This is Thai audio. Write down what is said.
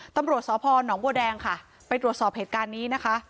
ตำรวจสพนบัวแดงค่ะไปตรวจสอบเหตุการณ์นี้นะคะ